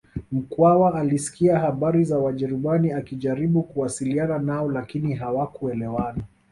Mkwawa alisikia habari za wajerumani akajaribu kuwasiliana nao lakini hawakuelewana